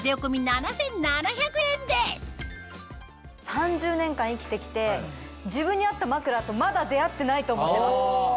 ３０年間生きてきて自分に合った枕とまだ出合ってないと思ってます。